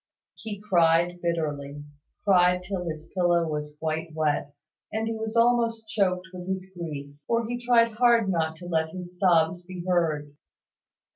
He cried bitterly, cried till his pillow was quite wet, and he was almost choked with his grief; for he tried hard not to let his sobs be heard.